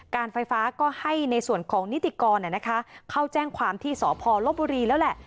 การไฟฟ้าก็ให้ในส่วนของนิติกรเข้าแจ้งความที่สพลบุรีแล้วแหละ